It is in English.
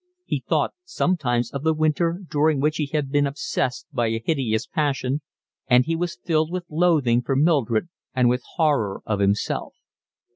He thought sometimes of the winter, during which he had been obsessed by a hideous passion, and he was filled with loathing for Mildred and with horror of himself.